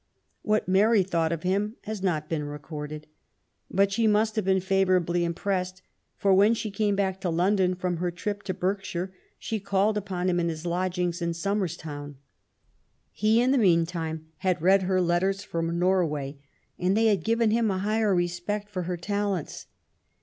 What Mary thought of him has not been recorded. But she must have been favourably impressed, for when she came back to London from her trip to Berkshire, she called upon him in his lodgings in Somer's Town. He, in the meantime, had read her Letters from Nor way, and they had given him a higher respect for her talents.